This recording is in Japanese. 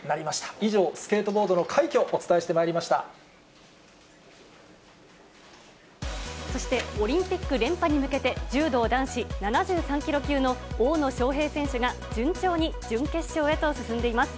以上、スケートボードの快挙をおそして、オリンピック連覇に向けて、柔道男子７３キロ級の大野将平選手が、順調に準決勝へと進んでいます。